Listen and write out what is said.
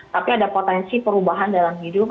tapi ada potensi perubahan dalam hidup